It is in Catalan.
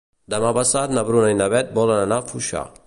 Demà passat na Bruna i na Beth volen anar a Foixà.